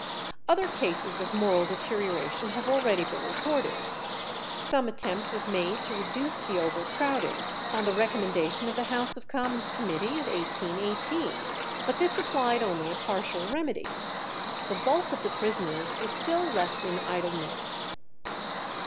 Other cases of moral deterioration have already been recorded. Some attempt was made to reduce the overcrowding, on the recommendation of the House of Commons Committee of 1818, but this applied only a partial remedy. The bulk of the prisoners were still left in idleness.